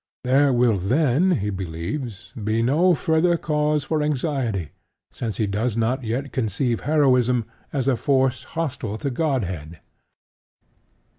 There will then, he believes, be no further cause for anxiety, since he does not yet conceive Heroism as a force hostile to Godhead.